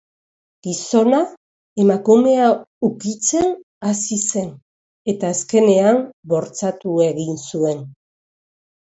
Gizona emakumea ukitzen hasi zen eta azkenean bortxatu egin zuen.